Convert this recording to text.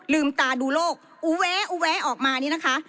ลืมตาดูโลกอูแวะอูแวะออกมานี่นะคะ